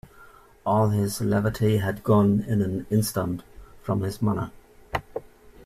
All his levity had gone in an instant from his manner.